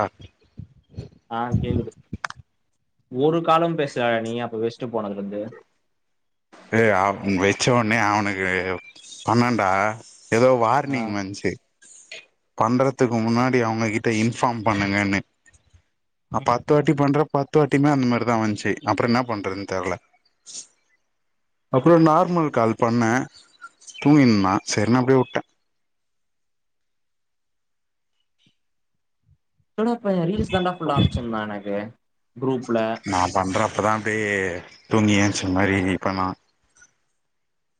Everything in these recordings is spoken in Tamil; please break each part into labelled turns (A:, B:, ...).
A: ஆ
B: ஆ கேக்குது ஒரு காலு பேசலயாடா நீ அப்ப வெஸ்ட்டு போனதுல இருந்து
A: ஏ அவ் வெச்ச ஒனே அவனுக்கு பண்ணேடா எதோ
B: ஆ
A: வார்னிங் வந்துச்சு பண்றதுக்கு முன்னாடி அவுங்க கிட்ட இன்ஃபார்ம் பண்ணுங்கன்னு நா பத்து வாட்டி பண்றே பத்து வாட்டியுமே அந்த மாரி தா வந்துச்சு அப்பறோ என்ன பண்றதுன்னு தெர்ல அப்பறோ நார்மல் கால் பண்ணே தூங்கினு இருந்தா செரினு அப்டியே வுட்டே
B: வுட்டன பையே ரீல்ஸ் தா ஃபுல்லா அனுப்பிச்சிருந்தா எனக்கு குரூப்ல
A: நா பண்றப்பா தா அப்டியே தூங்கி ஏஞ்ச மாரி இப்பந்தா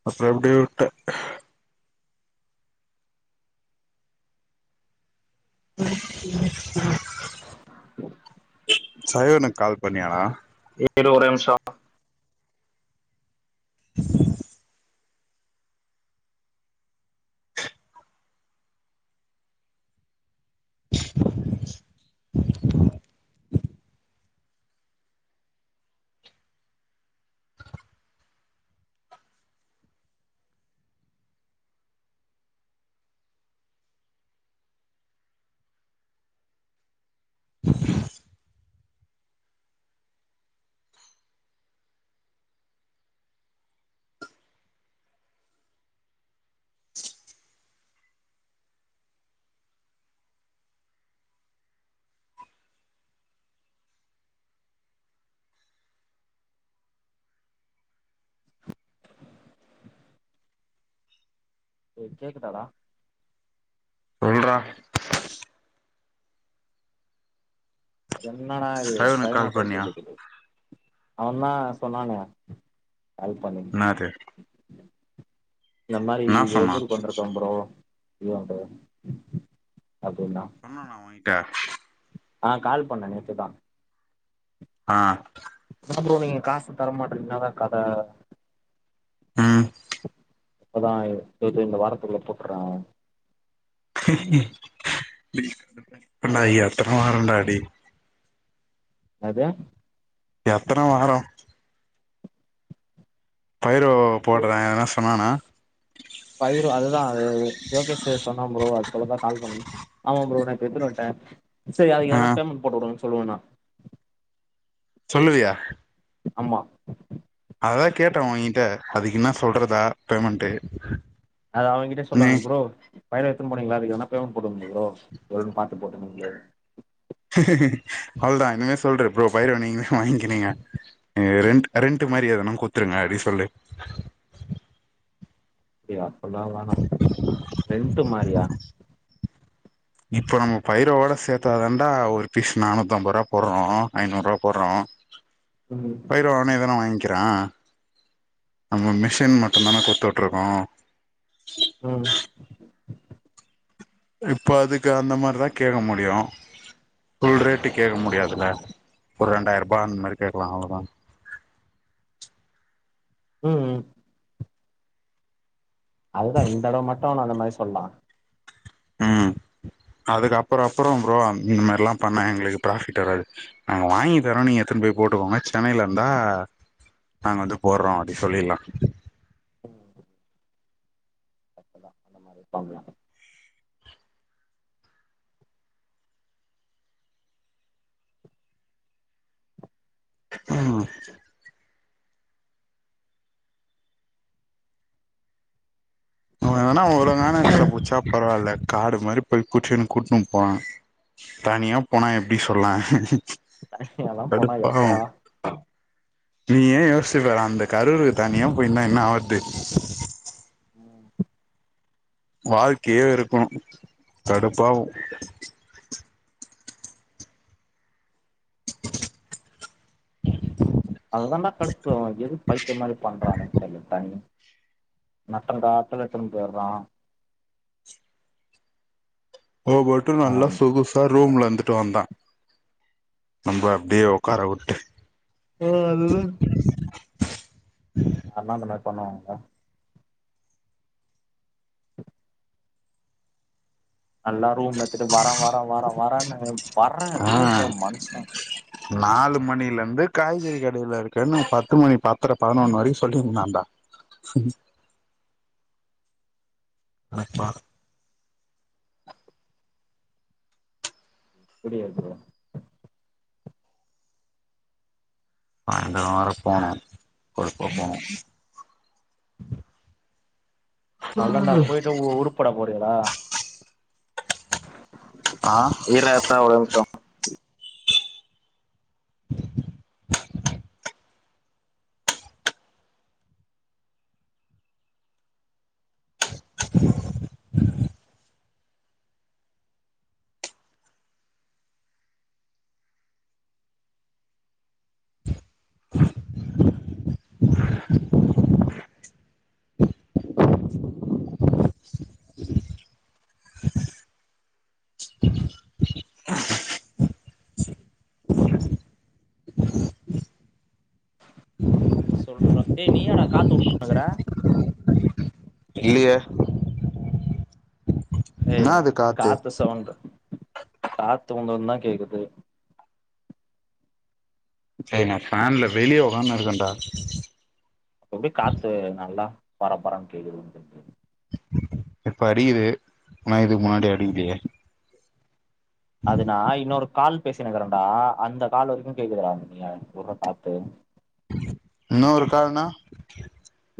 A: அப்பறோ அப்டியே வுட்டே சகையோனுக்கு கால் பண்ணியாடா
B: இரு ஒரே நிம்ஷோ
A: [unintelligible] [unintelligible]
B: டே கேக்குதடா
A: சொல்றா
B: என்னன்னா இது
A: சைவனுக்கு
B: சைன்
A: கால்
B: அவுட்
A: பண்ணியா
B: ஆய்ட்டே கேக்குது அவ தா சொன்னானே கால் பண்ணணு
A: என்னாது
B: இந்த மாரி
A: என்ன சொன்னா
B: யோசன பண்ருக்கோ ப்ரோ இவன்ட அப்டினா
A: பண்ணாண்ணா ஒங்க்கிட்ட
B: அ கால் பண்ணே நேத்து தா
A: ஆ
B: என்னா ப்ரோ நீங்க காசு தரமாட்டறீங்க என்னாதா கதை
A: ம்
B: இப்பதா இது இந்த வாரத்துக்குள்ள போட்டுட்ற
A: இப்பன்னா எத்தன வாரம்டா டேய்
B: அது
A: எத்தன வாரம் பயிரு போடுறே எதுன சொன்னானா
B: பயிரு அதுதா அது யேகேஷ் சொன்னா ப்ரோ அது சொல்லதா கால் பண்ண ஆமா ப்ரோ நேத்து எடுதுன்னுவந்ட்டா சேரி அதுக்கு
A: ஆ
B: எதனா பேமெண்ட் போட்டுவுடுங்கனு சொல்லுவனா
A: சொல்லுவியா
B: ஆமா
A: அதுதா கேட்டே உ கிட்ட அதுக்கு என்ன சொல்றதா பேமெண்ட்டு
B: அது அவங்கிட்டயே
A: நீ
B: சொல்லுங்க ப்ரோ பயறு எடுத்துனு போனிங்களா அதுக்கு எதனா பேமெண்ட் போட்டுவுடுங்க ப்ரோ ஓரளவு பாத்து போட்டுவுடுங்க ப்ரோ
A: அவளோதா இனிமே சொல்ரு ப்ரோ பயறு நீங்களே வாங்கினுங்க நீங்க ரென்ட் ரென்ட் மாரி எதனா குடுத்துருங்க அப்டினு சொல்லு
B: எ அப்பிடிலா வேணா ரென்ட் மாரியா
A: இப்போ நம்ம பயிரோட சேத்தாதண்டா ஒரு பீஸ் நானூத்தம்பது ரூபா போட்றோ ஐநூறு ரூபா போட்றோ
B: ம்
A: பயிர வாங்னா நீதான வாங்க்கிறா நம்ம மிஷின் மட்டுந்தான குடுத்துட்ருக்கோ
B: ம்
A: இப்போ அதுக்கு அந்த மாரிதா கேக்க முடியு ஃபுல் ரேட்டு கேக்க முடியாதுல ஒரு ரெண்டாயிரரூபா அந்த மாரி கேக்கலா அவ்ளோதா
B: ம், ம் அதுதா இந்த தடவ மட்டு நா அந்த மாரி சொல்லா
A: ம் அதுக்கு அப்றோ அப்றோ ப்ரோ இந்த மாரிலா பண்ணா எங்களுக்கு ப்ராஃபிட் வராது நாங்க வாங்கி தரோ நீங்க எடுத்துன்னு போய் போட்டுக்கோங்க சென்னையில இருந்தா நாங்க வந்து போட்றோ அப்டி சொல்லிட்லா
B: ம் கரெக்ட்டுதா அந்தமாரி இருப்பாங்களா
A: ம் அவுங்க எங்கனா ஒழுங்கான எடத்துல புடிச்சா பரவால்ல காடு மாரி போய் புடிச்சின்னு கூட்டுனு போனா தனியா போனா எப்டி சொல்ல
B: தனியால்லா போனா எப்பா
A: நீயே யோசிப்பார அந்த கரூவு தனியா போயி நின்னா என்ன ஆவுறது
B: ம்
A: வாழ்கையே வெறுக்கனு கடுப்பாவு
B: அதுதான்டா கடுப்பு அவனுக்கு எதுக்கு பைத்திய மாரி பண்றானே தெரில தனியா நட்ட நடு காட்ல எடுத்துன்னு போயிட்றா
A: அவ மட்டு
B: ஆ
A: நல்லா சொகு சா ரூம்ல இருந்துட்டு வந்தா நம்பள அப்டியே உக்கார வட்டு
B: ஆ அதுதா யார்னா அந்தமாரி பண்ணுவாங்களா நல்லா ரூம் எடுத்துட்டு வர வர வர வரன்னு
A: ஆ
B: வரவே இல்ல மனுச
A: நாலு மணிலேர்ந்து காய்கறி கடைல இருக்கன்னு பத்து மணி பத்தர பதுனொன்னு வரைக் சொல்லிர்ந்தான்டா அனக்பா
B: முடியாது
A: அங்க வேற போணு ஒரு இப்ப போணு
B: அத்தான்டா பொயிட்டு உ உருப்புட போறியாடா
A: ஆ
B: இல தாப் சொல்ற டே நீயாடா காத்து உட்னுக்க்குற
A: இல்லியே
B: ஏ
A: என்னா அது
B: காத்து சவுண்டடு காத்து உன்னுது தா கேக்குது
A: சேய் நா ஃபேன்ல வெளிய ஒக்காந்துருக்கன்டா
B: அப்படி காத்து நல்லா பரபரன் கேக்குது
A: இப்ப அடிகிது ஆனா இதுக் முன்னாடி அடிக்கிலியே
B: அது நா இன்னொரு கால் பேசினுக்க்குறன்டா அந்த கால் வந்து கேக்குதுறா நீ உற்ற காத்து
A: இன்ன ஒரு கால்னா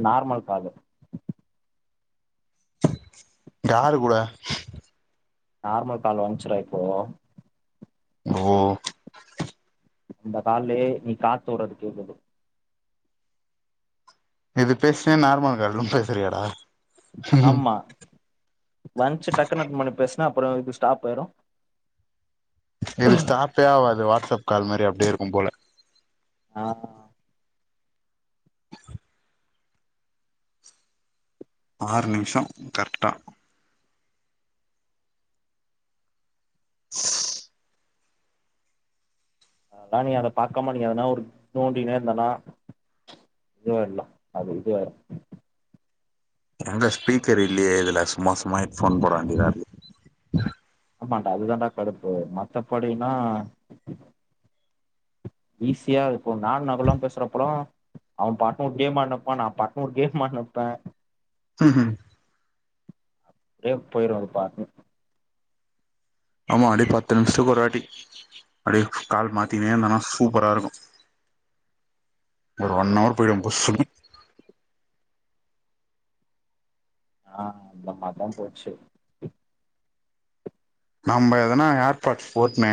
B: நார்மல் காலு
A: யாரு கூட
B: நார்மல் கால் வந்ச்சிடா இப்பே
A: ஓ
B: அந்த கால்லே நீ காத்து உற்றது கேக்குது
A: இது பேஸ்னே நார்மல் கால்லு பேசுரியேடா
B: ஆம்மா வந்ச்சு டக்கு அட்டுன் பண்ணி பேஸ்ன அப்புற இது ஸ்டாப் ஆயிரு
A: இது ஸ்டாப்பே ஆவாது வாட்ஸ்அப் கால் மாரி அப்டே இருக்கும்போல
B: ஆமா
A: ஆறு நிம்ஷோ கர்ட்டா
B: அதா நீ அத பாக்காம நீ அதனா ஒரு தோண்டினே இருந்தனா இதுமேர் இல்ல அது இது வேற
A: என்ட்ட ஸ்பீக்கர் இல்லியே இதுல சும்மா சும்மா எட்ஃபோன் போட வேண்டிதா இருக்கு
B: ஆமான்டா அதுதான்டா கடுப்பு மத்தபடினா ஈஸியா இருக்கு நானு நகுல்லா பேசுறப்பலா அவன் பாட்னு ஒரு கேம் ஆட்னுப்பான் நா பாட்னு ஒரு கேம் ஆன்னுப்ப
A: ம்
B: ஆப்டே போயிரு அது பாட்டு
A: ஆமா அடே பத்து நிம்ஸ்த்துக் ஒரு வாட்டி அப்டி கால் மாத்திகினே இர்ந்தனா சூப்பரா இருக்கு ஒரு ஒன் ஹவர் பொய்டு புஸ்ஸுனு
B: ஆ இந்த மார்தா பேச்சு
A: நம்ப எதனா ஏர்பா்ட்ஸ் போட்னு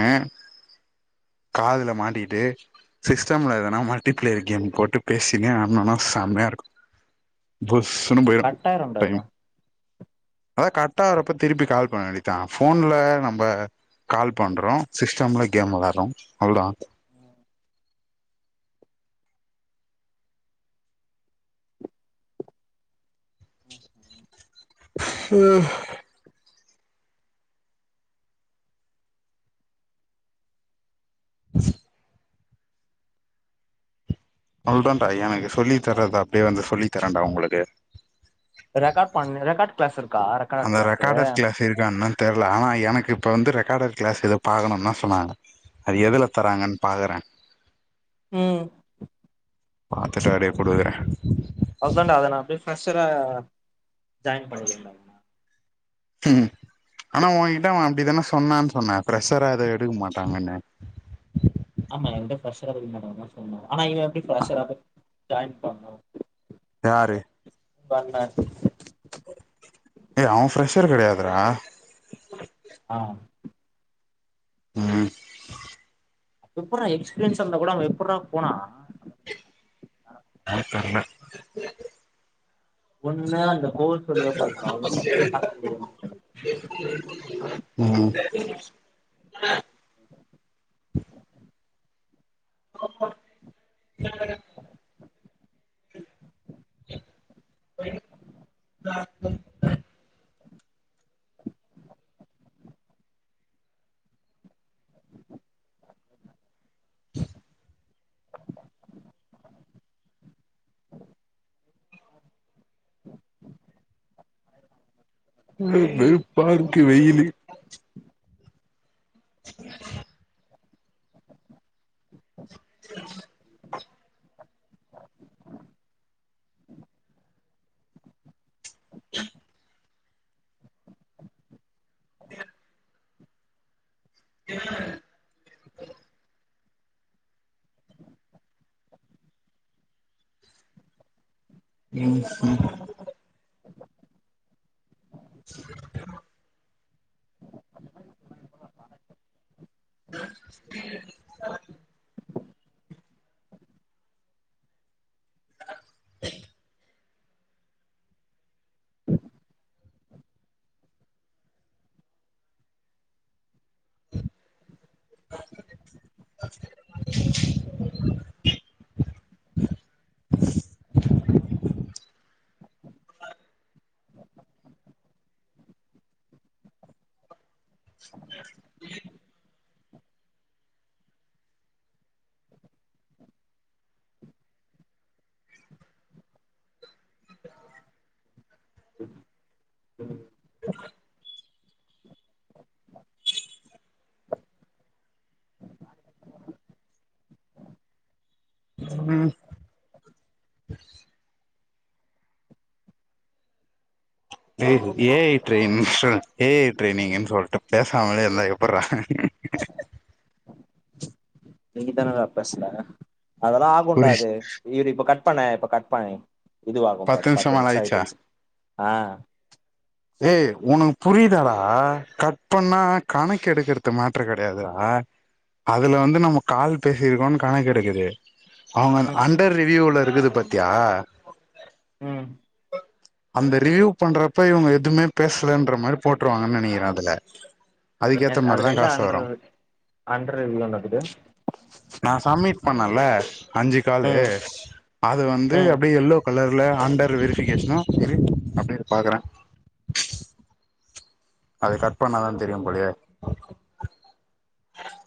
A: காதுல மாட்டிக்ட்டு சிஸ்டம்ல எதுனா மல்டிபிளேயர் கேம் போட்டு பேசினே ஆட்னோனா செம்யா இருக்கு புஸ்ஸுன்னு
B: இது
A: போயிடும்
B: கட்டாயிருண்டா
A: டைம்
B: இது
A: அதான் கர்டா வரப்ப திருப்பி கால் பண்ண வேண்டித்தா ஃபோன்ல நம்ப கால் பண்றோம் சிஸ்டம்ல கேம் விளாட்றோம் அவள்தா
B: [inaudible]
A: ம் அவள்தான்டா எனக்கு சொல்லி தர்து அப்டே வந்து சொல்லி தரன்டா உங்களுக்கு
B: அ ரெக்காட் பண்ணு ரெக்காட் க்ளாஸ் இருக்கா ரெக்
A: அந்த ரெக்காடட் க்ளாஸ் இருக்கானான் தெர்ல ஆனா எனக்கு இப்ப வந்து ரெக்காடட் க்ளாஸ் இத பாக்கணு னா சொன்னாங்க அது எதுல தராங்கன் பாக்குறே
B: ம்
A: பாத்துட்டு அப்டியே குடுக்குற
B: அதான் டா அத நா அப்டியே ஃப்ரெஷ்ஷரா ஜாயின் பண்ணிகிறேன் டா
A: ஆனா உன் கிட்ட அவன் அப்டித்தானே சொன்னான்னு சொன்னே ஃப்ரஷ்ஷரா ஏது எடுக்க மாட்டாங்கன்னு
B: ஆமா என்கிட்ட ஃப்ரெஷ்ஷரா தா இருக்க மாட்டாங்க அது மாரி சொன்னா ஆனா இவன் எப்டி ஃப்ரெஷ்ஷரா போய் ஜாயின் பண்ணோ
A: யாரு எ அவன் ஃப்ரெஷ்ஷர் கிடையாதுரா
B: ஆ
A: ம்
B: எப்புட்ரா எக்ஸ்பீரியன்ஸ் இருந்தா கூட அவங்க எப்புட்ரா போனா
A: ஆ தெர்ல
B: ஒண்ணு அந்த கோர் சொல்லுவ [unintelligible] ஊங்கிட்டயே கத குடுக்குறா
A: ம் [unintelligible] [unintelligible] [unintelligible] வெறுப்பா இருக்கு வெயிலு ம் [unintelligible] ம் ம் தை
B: ம் ம்
A: [unintelligible] [unintelligible] எ ஐ ட்ரைனிங்கு சொ எ ஐ ட்ரைனிங்கின் சொல்ட்டு பேசாமலே இருந்தா எப்புட்றா
B: நீங்கதானடா பேசல அதெல்லா ஆகுண்டா
A: புரி
B: இது இவ்ரு இப்ப கட் பண்ணே இப்ப கட் பண்ணே இதுவாகும்பா
A: நிமிஷோ
B: பத்து
A: மேல
B: நிம்ஷ
A: ஆயிடுச்சா
B: எட்டு நிம்ஷ ஆ
A: ஏய் உனக்கு புரியுதாடா கட் பண்ணா கணக்கு எடுக்கற்து மேட்ரு கெடையாதுடா அதுல வந்து நம்ம கால் பேசிருக்கோனு கணக்கெடுக்குது அவுங்கன்
B: ம்
A: அண்டர் ரிவியூல இருக்குது பாத்தியா
B: ம்
A: அந்த ரிவியூ பண்றப்ப இவ்ங்க எது துமே பேசலன்ற‌ மாரி போட்ருவாங்கன் நெனைகிறே அதுல அதுக்கேத்த
B: எனக்
A: மாரிதா
B: அதுல எங்க
A: காசு வரு
B: அண்ட்ரு அண்ட்ரு ரிவியூனு இக்குது
A: நா சம்மிட் பண்ணேல அஞ்சு காலு
B: ம்
A: அது வந்து
B: ம்
A: அப்டியே எல்லோ கலர்ல அண்டர் வெரிஃபிகேஷனு இரு அப்டியே இரு பாக்குறே அது கட் பண்ணாதா தெரியு போலயே